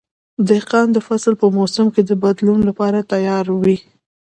دهقان د فصل په موسم کې د بدلون لپاره تیار وي.